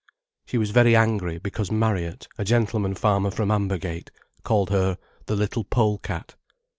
She was very angry because Marriott, a gentleman farmer from Ambergate, called her the little pole cat.